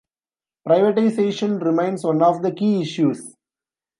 Privatization remains one of the key issues.